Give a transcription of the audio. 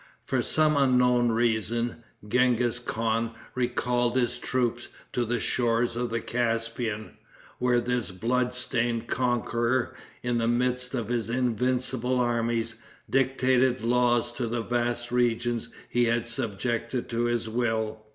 For some unknown reason, Genghis Khan recalled his troops to the shores of the Caspian, where this blood stained conqueror, in the midst of his invincible armies, dictated laws to the vast regions he had subjected to his will.